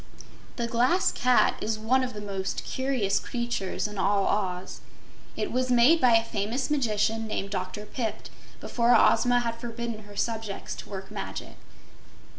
The Glass Cat is one of the most curious creatures in all Oz. It was made by a famous magician named Dr. Pipt before Ozma had forbidden her subjects to work magic.